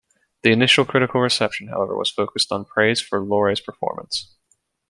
The initial critical reception, however, was focused on praise for Lorre's performance.